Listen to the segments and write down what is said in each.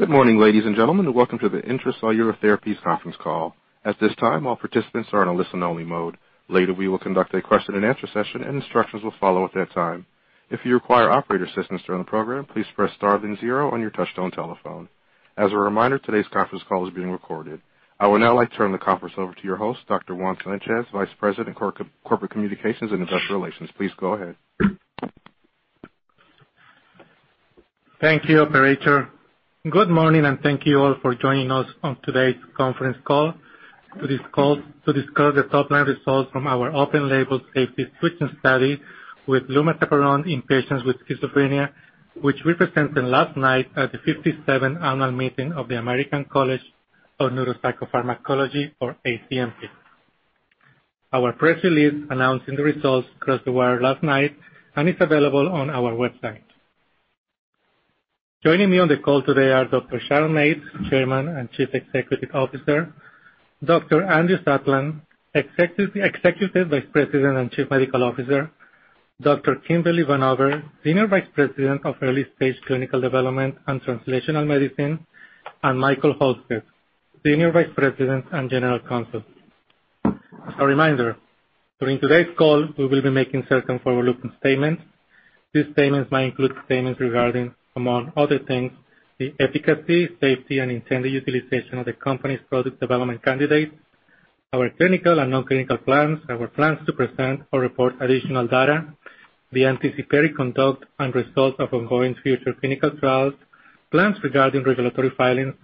Good morning, ladies and gentlemen, and welcome to the Intra-Cellular Therapies conference call. At this time, all participants are in a listen-only mode. Later, we will conduct a question and answer session, and instructions will follow at that time. If you require operator assistance during the program, please press star then zero on your touch-tone telephone. As a reminder, today's conference call is being recorded. I would now like to turn the conference over to your host, Dr. Juan Sanchez, Vice President of Corporate Communications and Investor Relations. Please go ahead. Thank you, operator. Good morning, and thank you all for joining us on today's conference call to discuss the top-line results from our open-label safety switching study with lumateperone in patients with schizophrenia, which we presented last night at the 57th Annual Meeting of the American College of Neuropsychopharmacology, or ACNP. Our press release announcing the results crossed the wire last night and is available on our website. Joining me on the call today are Dr. Sharon Mates, Chairman and Chief Executive Officer, Dr. Andrew Satlin, Executive Vice President and Chief Medical Officer, Dr. Kimberly Vanover, Senior Vice President of Early-Stage Clinical Development and Translational Medicine, and Michael Halstead, President. A reminder, during today's call, we will be making certain forward-looking statements. These statements might include statements regarding, among other things, the efficacy, safety, and intended utilization of the company's product development candidates, our clinical and non-clinical plans, our plans to present or report additional data, the anticipated conduct and results of ongoing future clinical trials, plans regarding regulatory filings,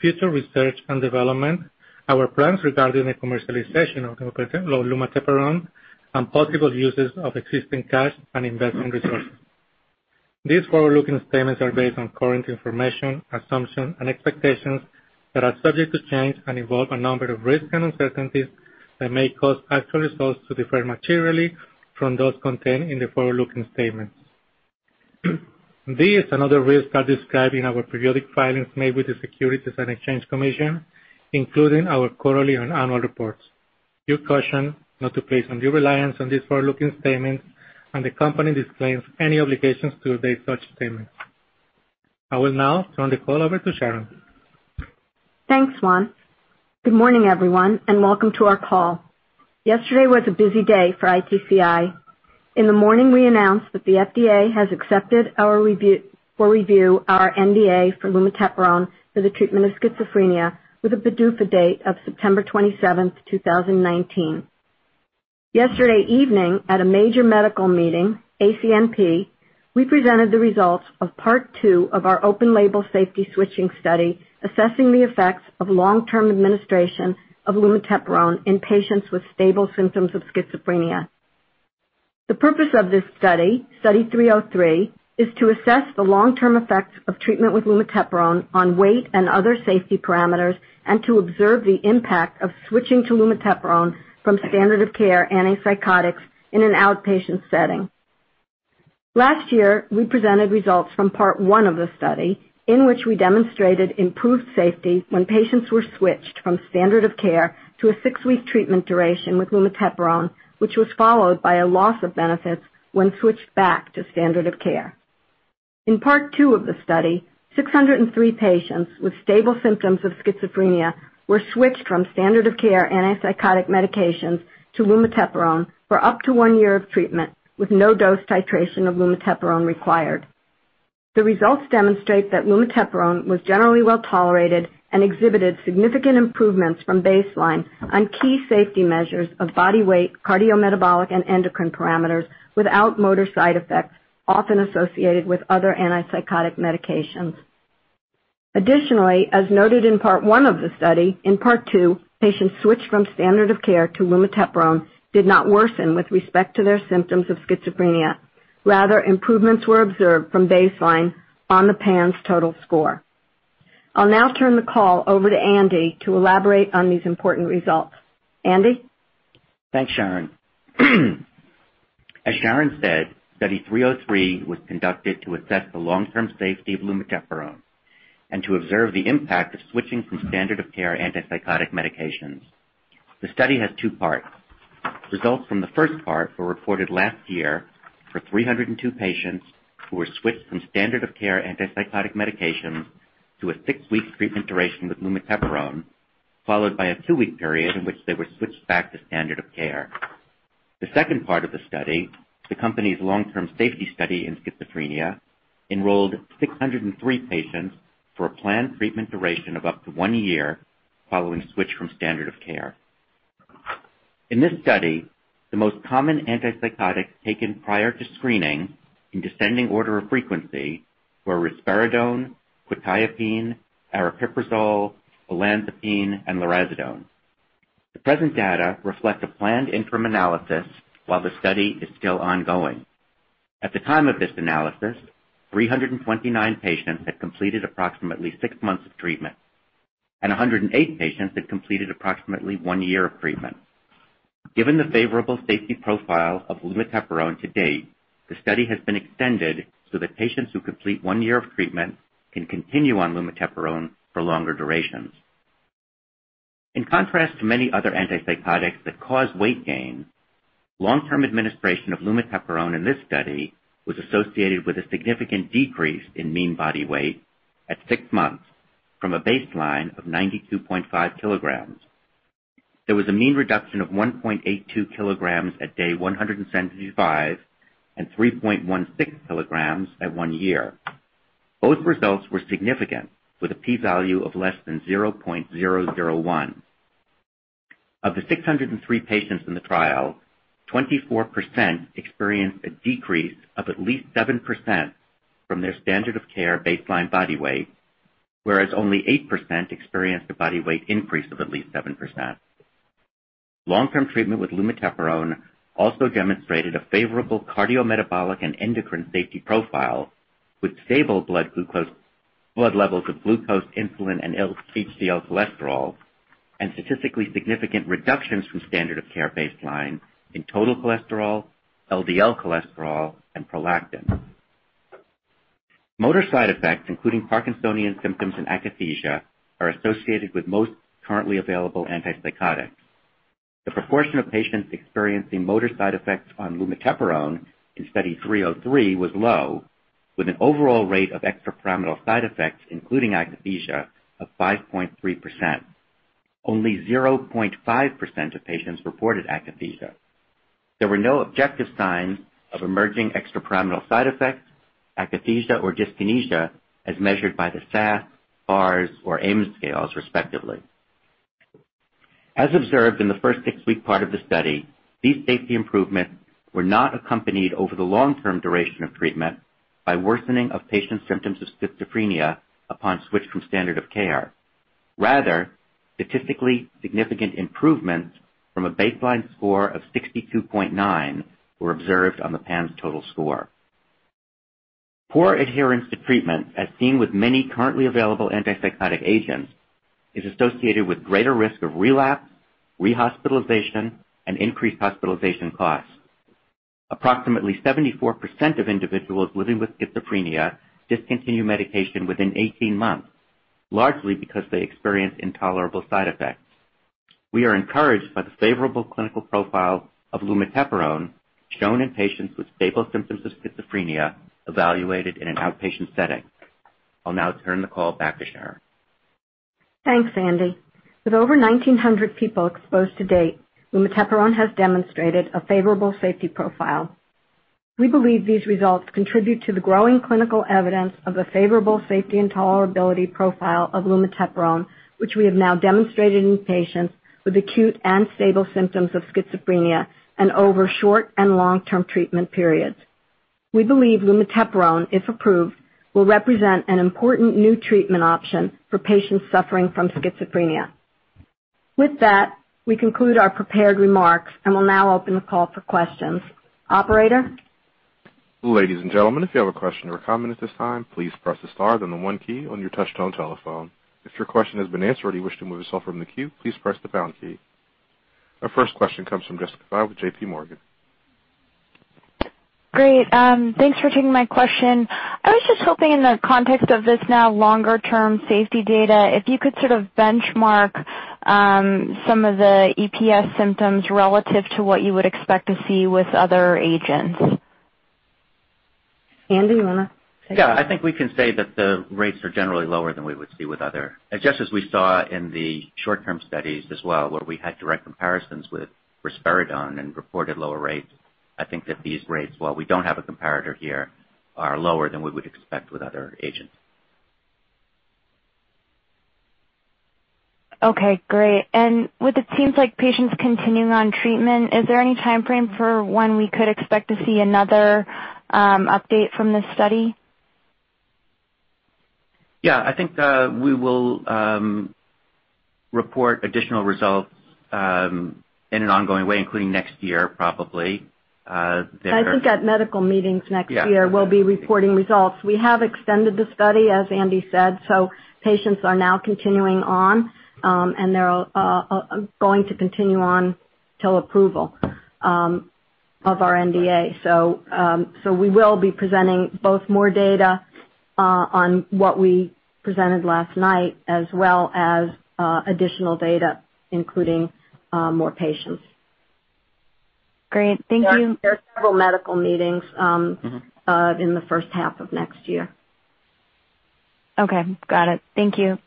future research and development, our plans regarding the commercialization of lumateperone, and possible uses of existing cash and investment resources. These forward-looking statements are based on current information, assumptions, and expectations that are subject to change and involve a number of risks and uncertainties that may cause actual results to differ materially from those contained in the forward-looking statements. These and other risks are described in our periodic filings made with the Securities and Exchange Commission, including our quarterly and annual reports. We caution not to place undue reliance on these forward-looking statements, and the company disclaims any obligations to update such statements. I will now turn the call over to Sharon. Thanks, Juan. Good morning, everyone, welcome to our call. Yesterday was a busy day for ITCI. In the morning, we announced that the FDA has accepted for review our NDA for lumateperone for the treatment of schizophrenia with a PDUFA date of September 27th, 2019. Yesterday evening, at a major medical meeting, ACNP, we presented the results of part two of our open-label safety switching study assessing the effects of long-term administration of lumateperone in patients with stable symptoms of schizophrenia. The purpose of this study, Study 303, is to assess the long-term effects of treatment with lumateperone on weight and other safety parameters and to observe the impact of switching to lumateperone from standard of care antipsychotics in an outpatient setting. Last year, we presented results from part one of the study in which we demonstrated improved safety when patients were switched from standard of care to a six-week treatment duration with lumateperone, which was followed by a loss of benefits when switched back to standard of care. In part two of the study, 603 patients with stable symptoms of schizophrenia were switched from standard of care antipsychotic medications to lumateperone for up to one year of treatment, with no dose titration of lumateperone required. The results demonstrate that lumateperone was generally well-tolerated and exhibited significant improvements from baseline on key safety measures of body weight, cardiometabolic, and endocrine parameters without motor side effects often associated with other antipsychotic medications. Additionally, as noted in part I of the study, in part II, patients switched from standard of care to lumateperone did not worsen with respect to their symptoms of schizophrenia. Rather, improvements were observed from baseline on the PANSS total score. I'll now turn the call over to Andy to elaborate on these important results. Andy? Thanks, Sharon. As Sharon said, Study 303 was conducted to assess the long-term safety of lumateperone and to observe the impact of switching from standard of care antipsychotic medications. The study has two parts. Results from the first part were reported last year for 302 patients who were switched from standard of care antipsychotic medications to a six-week treatment duration with lumateperone, followed by a two-week period in which they were switched back to standard of care. The second part of the study, the company's long-term safety study in schizophrenia, enrolled 603 patients for a planned treatment duration of up to one year following switch from standard of care. In this study, the most common antipsychotic taken prior to screening in descending order of frequency were risperidone, quetiapine, aripiprazole, olanzapine, and lurasidone. The present data reflect a planned interim analysis while the study is still ongoing. At the time of this analysis, 329 patients had completed approximately six months of treatment, and 108 patients had completed approximately one year of treatment. Given the favorable safety profile of lumateperone to date, the study has been extended so that patients who complete one year of treatment can continue on lumateperone for longer durations. In contrast to many other antipsychotics that cause weight gain, long-term administration of lumateperone in this study was associated with a significant decrease in mean body weight at six months from a baseline of 92.5 kilograms. There was a mean reduction of 1.82 kilograms at day 175 and 3.16 kilograms at one year. Both results were significant, with a P value of less than 0.001. Of the 603 patients in the trial, 24% experienced a decrease of at least 7% from their standard of care baseline body weight, whereas only 8% experienced a body weight increase of at least 7%. Long-term treatment with lumateperone also demonstrated a favorable cardiometabolic and endocrine safety profile with stable blood levels of glucose, insulin, and LDL cholesterol, and statistically significant reductions from standard of care baseline in total cholesterol, LDL cholesterol, and prolactin. Motor side effects, including Parkinsonian symptoms and akathisia, are associated with most currently available antipsychotics. The proportion of patients experiencing motor side effects on lumateperone in Study 303 was low, with an overall rate of extrapyramidal side effects, including akathisia, of 5.3%. Only 0.5% of patients reported akathisia. There were no objective signs of emerging extrapyramidal side effects, akathisia, or dyskinesia as measured by the SAS, BARS, or AIMS scales, respectively. As observed in the first six-week part of the study, these safety improvements were not accompanied over the long-term duration of treatment by worsening of patients' symptoms of schizophrenia upon switch from standard of care. Rather, statistically significant improvements from a baseline score of 62.9 were observed on the PANSS total score. Poor adherence to treatment, as seen with many currently available antipsychotic agents, is associated with greater risk of relapse, rehospitalization, and increased hospitalization costs. Approximately 74% of individuals living with schizophrenia discontinue medication within 18 months, largely because they experience intolerable side effects. We are encouraged by the favorable clinical profile of lumateperone shown in patients with stable symptoms of schizophrenia evaluated in an outpatient setting. I'll now turn the call back to Sharon. Thanks, Andy. With over 1,900 people exposed to date, lumateperone has demonstrated a favorable safety profile. We believe these results contribute to the growing clinical evidence of the favorable safety and tolerability profile of lumateperone, which we have now demonstrated in patients with acute and stable symptoms of schizophrenia and over short and long-term treatment periods. We believe lumateperone, if approved, will represent an important new treatment option for patients suffering from schizophrenia. With that, we conclude our prepared remarks and will now open the call for questions. Operator? Ladies and gentlemen, if you have a question or comment at this time, please press the star then the one key on your touchtone telephone. If your question has been answered or you wish to remove yourself from the queue, please press the pound key. Our first question comes from Jessica Li with JPMorgan. Great. Thanks for taking my question. I was just hoping in the context of this now longer-term safety data, if you could sort of benchmark some of the EPS symptoms relative to what you would expect to see with other agents. Andy, you want to take that? Yeah, I think we can say that the rates are generally lower than we would see with others. Just as we saw in the short-term studies as well, where we had direct comparisons with risperidone and reported lower rates. I think that these rates, while we don't have a comparator here, are lower than we would expect with other agents. Okay, great. With the teams like patients continuing on treatment, is there any timeframe for when we could expect to see another update from this study? Yeah, I think we will report additional results in an ongoing way, including next year, probably. I think at medical meetings next year. Yeah. We'll be reporting results. We have extended the study, as Andy said, so patients are now continuing on. They're going to continue on till approval of our NDA. We will be presenting both more data on what we presented last night as well as additional data, including more patients. Great. Thank you. There are several medical meetings. In the first half of next year. Okay, got it. Thank you.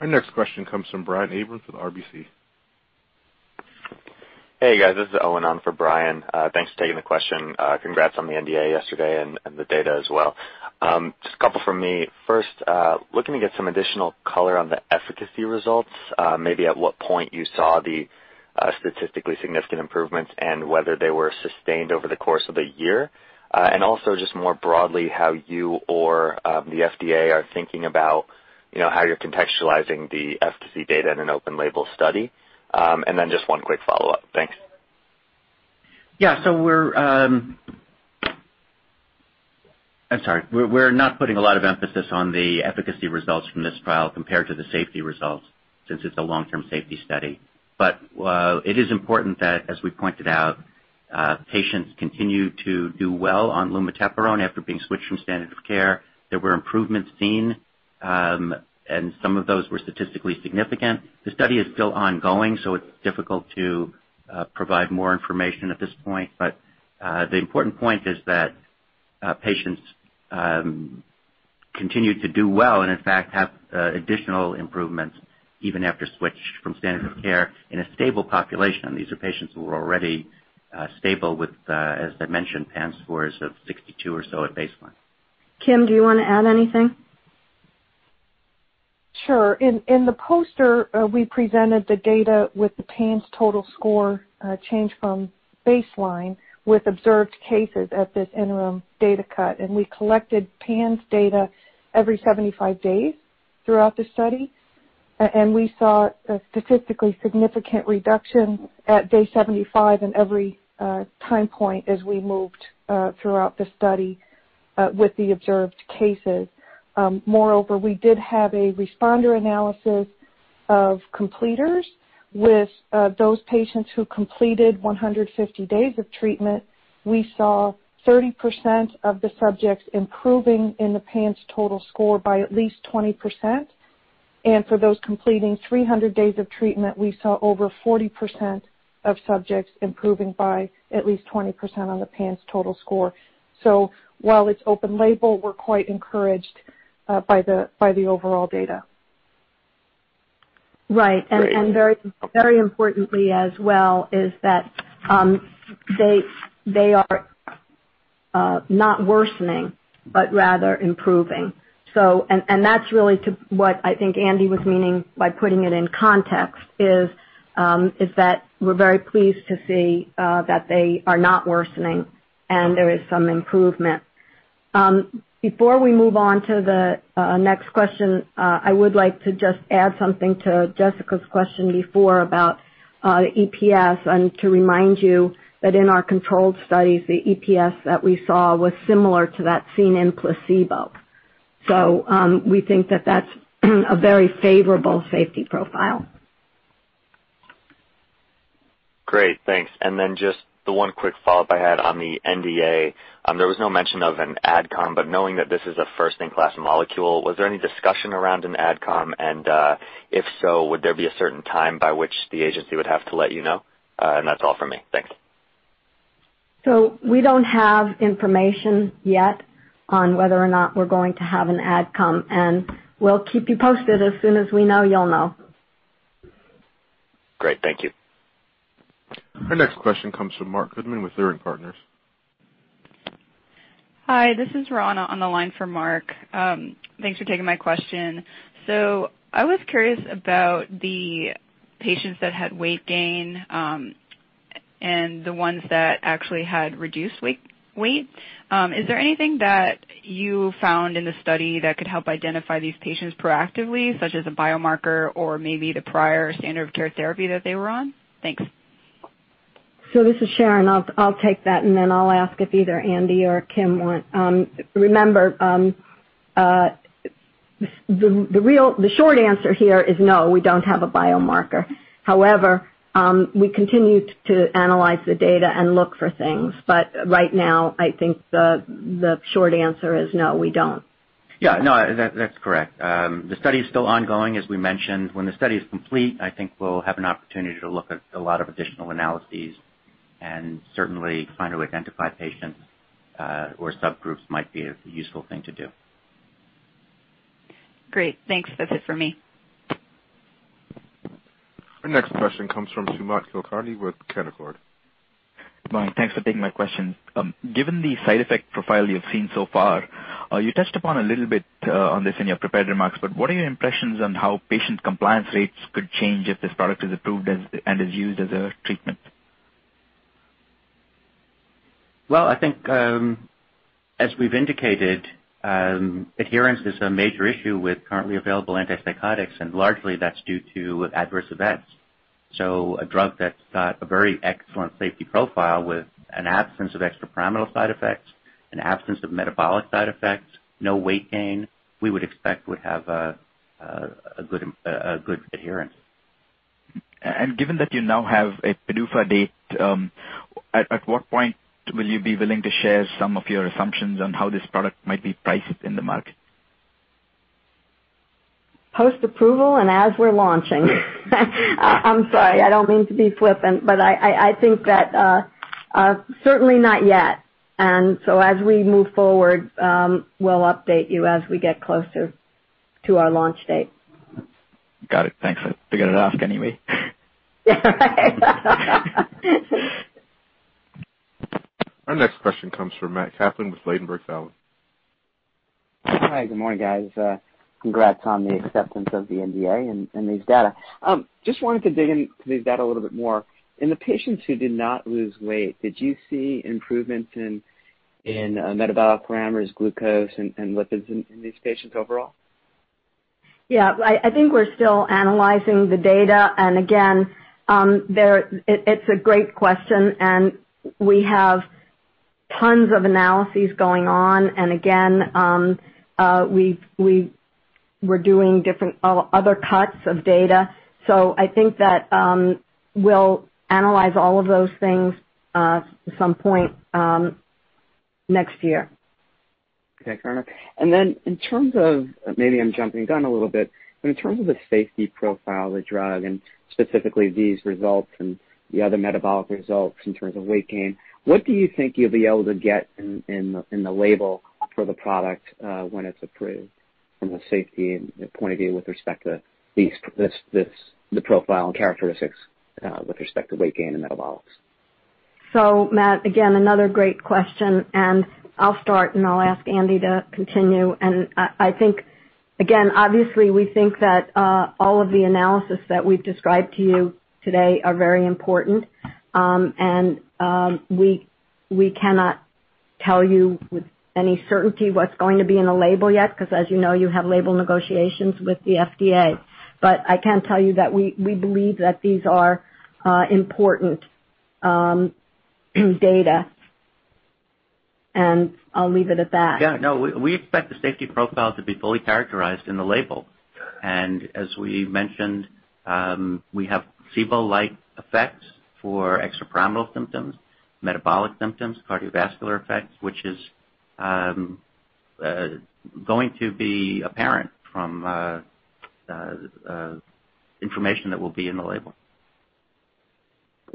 Our next question comes from Brian Abrahams with RBC. Hey, guys. This is Owen on for Brian. Thanks for taking the question. Congrats on the NDA yesterday and the data as well. Just a couple from me. First, looking to get some additional color on the efficacy results. Maybe at what point you saw the statistically significant improvements and whether they were sustained over the course of the year. Also just more broadly, how you or the FDA are thinking about how you're contextualizing the efficacy data in an open label study. Then just one quick follow-up. Thanks. Yeah. We're not putting a lot of emphasis on the efficacy results from this trial compared to the safety results, since it's a long-term safety study. It is important that, as we pointed out. Patients continue to do well on lumateperone after being switched from standard of care. There were improvements seen, and some of those were statistically significant. The study is still ongoing, so it's difficult to provide more information at this point. The important point is that patients continue to do well and, in fact, have additional improvements even after switch from standard of care in a stable population. These are patients who are already stable with, as I mentioned, PANSS scores of 62 or so at baseline. Kim, do you want to add anything? Sure. In the poster, we presented the data with the PANSS total score change from baseline with observed cases at this interim data cut. We collected PANSS data every 75 days throughout the study, and we saw a statistically significant reduction at day 75 in every time point as we moved throughout the study with the observed cases. Moreover, we did have a responder analysis of completers with those patients who completed 150 days of treatment. We saw 30% of the subjects improving in the PANSS total score by at least 20%. For those completing 300 days of treatment, we saw over 40% of subjects improving by at least 20% on the PANSS total score. While it's open label, we're quite encouraged by the overall data. Right. Very importantly as well is that they are not worsening but rather improving. That's really what I think Andy was meaning by putting it in context is that we're very pleased to see that they are not worsening and there is some improvement. Before we move on to the next question, I would like to just add something to Jessica's question before about EPS and to remind you that in our controlled studies, the EPS that we saw was similar to that seen in placebo. We think that that's a very favorable safety profile. Great, thanks. Just the one quick follow-up I had on the NDA. There was no mention of an Advisory Committee, knowing that this is a first-in-class molecule, was there any discussion around an Advisory Committee? If so, would there be a certain time by which the agency would have to let you know? That's all from me. Thanks. We don't have information yet on whether or not we're going to have an Advisory Committee, and we'll keep you posted. As soon as we know, you'll know. Great. Thank you. Our next question comes from Marc Goodman with Leerink Partners. Hi, this is Roni on the line for Marc. Thanks for taking my question. I was curious about the patients that had weight gain and the ones that actually had reduced weight. Is there anything that you found in the study that could help identify these patients proactively, such as a biomarker or maybe the prior standard of care therapy that they were on? Thanks. This is Sharon. I'll take that, and then I'll ask if either Andy or Kim want. Remember, the short answer here is no, we don't have a biomarker. However, we continue to analyze the data and look for things. Right now, I think the short answer is no, we don't. Yeah, no, that's correct. The study is still ongoing, as we mentioned. When the study is complete, I think we'll have an opportunity to look at a lot of additional analyses and certainly trying to identify patients or subgroups might be a useful thing to do. Great. Thanks. That's it for me. Our next question comes from Sumant Kulkarni with Canaccord. Good morning. Thanks for taking my question. Given the side effect profile you've seen so far, you touched upon a little bit on this in your prepared remarks, but what are your impressions on how patient compliance rates could change if this product is approved and is used as a treatment? I think as we've indicated, adherence is a major issue with currently available antipsychotics, and largely that's due to adverse events. A drug that's got a very excellent safety profile with an absence of extrapyramidal side effects, an absence of metabolic side effects, no weight gain, we would expect would have a good adherence. Given that you now have a PDUFA date, at what point will you be willing to share some of your assumptions on how this product might be priced in the market? Post-approval and as we're launching. I'm sorry, I don't mean to be flippant, but I think that certainly not yet. As we move forward, we'll update you as we get closer to our launch date. Got it. Thanks. I figured I'd ask anyway. Our next question comes from Matthew Kaplan with Ladenburg Thalmann. Hi, good morning, guys. Congrats on the acceptance of the NDA and these data. Just wanted to dig into these data little bit more. In the patients who did not lose weight, did you see improvements in metabolic parameters, glucose, and lipids in these patients overall? Yeah, I think we're still analyzing the data. Again, it's a great question. We have tons of analyses going on. Again, we're doing different other cuts of data. I think that we'll analyze all of those things at some point next year. Okay, fair enough. Then in terms of, maybe I'm jumping the gun a little bit, but in terms of the safety profile of the drug and specifically these results and the other metabolic results in terms of weight gain, what do you think you'll be able to get in the label for the product when it's approved from a safety point of view with respect to the profile and characteristics with respect to weight gain and metabolics? Matt, again, another great question, and I'll start, and I'll ask Andy to continue. I think, again, obviously we think that all of the analysis that we've described to you today are very important. We cannot tell you with any certainty what's going to be in the label yet, because as you know, you have label negotiations with the FDA. I can tell you that we believe that these are important data. I'll leave it at that. Yeah, no, we expect the safety profile to be fully characterized in the label. As we mentioned, we have placebo-like effects for extrapyramidal symptoms, metabolic symptoms, cardiovascular effects, which is going to be apparent from information that will be in the label.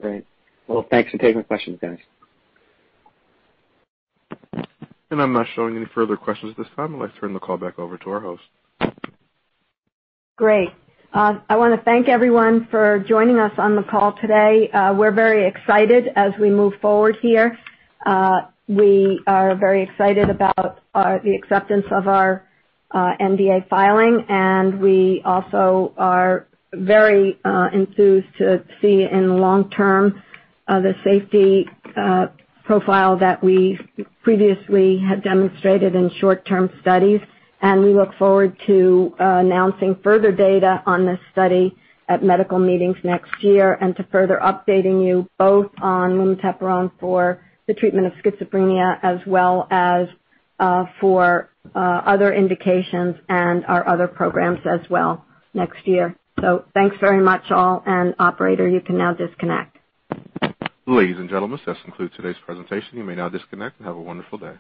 Great. Well, thanks for taking the questions, guys. I'm not showing any further questions at this time. I'd like to turn the call back over to our host. Great. I want to thank everyone for joining us on the call today. We're very excited as we move forward here. We are very excited about the acceptance of our NDA filing, and we also are very enthused to see in the long term, the safety profile that we previously had demonstrated in short-term studies. We look forward to announcing further data on this study at medical meetings next year and to further updating you both on lumateperone for the treatment of schizophrenia as well as for other indications and our other programs as well next year. Thanks very much all, and operator, you can now disconnect. Ladies and gentlemen, this concludes today's presentation. You may now disconnect. Have a wonderful day.